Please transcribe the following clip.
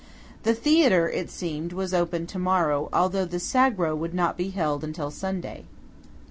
The "theatre" it seemed was to open to morrow, although the Sagro would not be held till Sunday.